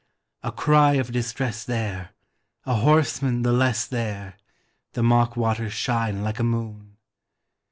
A cry of distress there! a horseman the less there! The mock waters shine like a moon!